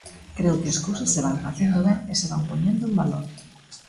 Creo que as cousas se van facendo ben e se van poñendo en valor.